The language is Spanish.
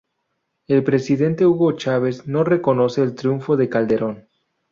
El presidente Hugo Chávez no reconoce el triunfo de Calderón.